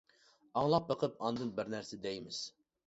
ئاڭلاپ بېقىپ ئاندىن بىر نەرسە دەيمىز.